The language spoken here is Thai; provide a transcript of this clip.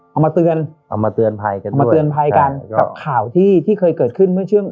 เอามาเตือนเอามาเตือนภัยกันมาเตือนภัยกันกับข่าวที่ที่เคยเกิดขึ้นเมื่อช่วง